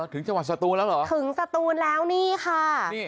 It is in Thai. ถึงจังหวัดสตูนแล้วเหรอถึงสตูนแล้วนี่ค่ะ